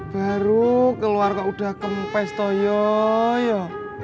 baru keluarga udah ke mopestu yo yo